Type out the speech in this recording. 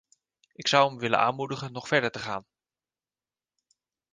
Ik zou hem willen aanmoedigen nog verder te gaan.